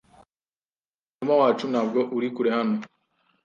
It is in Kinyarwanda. Umurima wacu ntabwo uri kure hano.